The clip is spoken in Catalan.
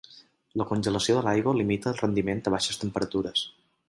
La congelació de l'aigua limita el rendiment a baixes temperatures.